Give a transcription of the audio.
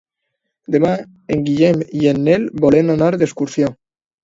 Demà en Guillem i en Nel volen anar d'excursió.